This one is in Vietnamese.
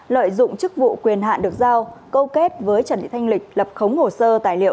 lợi dụng chức vụ quyền hạn được giao câu kết với trần thị thanh lịch lập khống hồ sơ tài liệu